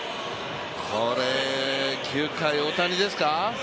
これ、９回大谷ですか？